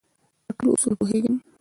په ټولو اصولو پوهېږم.